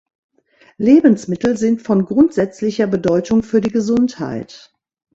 Lebensmittel sind von grundsätzlicher Bedeutung für die Gesundheit.